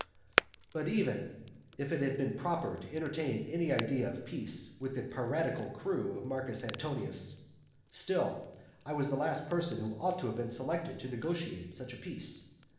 But even if it had been proper to entertain any idea of peace with the piratical crew of Marcus Antonius, still I was the last person who ought to have been selected to negotiate such a peace.